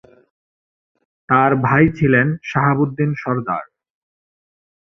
তার ভাই ছিলেন শাহাবুদ্দিন সরদার।